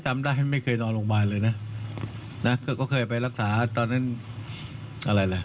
เวลานี้คือหน้าแคไปก่อนแล้วละ